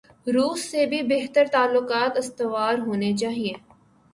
روس سے بھی بہتر تعلقات استوار ہونے چائیں۔